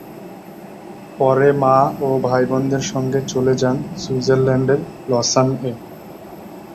পরে মা ও ভাইবোনদের সঙ্গে চলে যান সুইজারল্যান্ডের লসান-এ।